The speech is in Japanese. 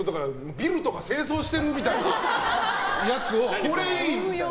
ビルとか清掃してるみたいなやつをこれいい！みたいな。